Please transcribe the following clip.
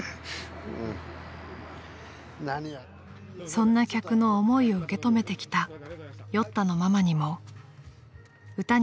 ［そんな客の思いを受け止めてきた酔ったのママにも歌にのせて思う人がいました］